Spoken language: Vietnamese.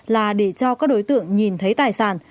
là để cho các đối tượng nhìn thấy tài sản